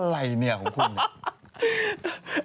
อะไรเนี่ยบอกให้น้า